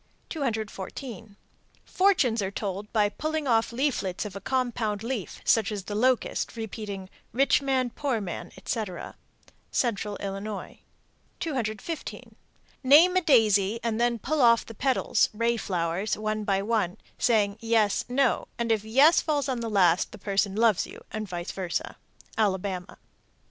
214. Fortunes are told by pulling off leaflets of a compound leaf, such as the locust, repeating, "Rich man, poor man," etc. Central Illinois. 215. Name a daisy, and then pull off the petals (ray flowers) one by one, saying "yes, no," and if "yes" falls on the last, the person loves you, and vice versa. _Alabama.